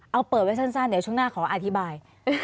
เอาเปิดไว้สั้นเดี๋ยวช่วงหน้าขออธิบาย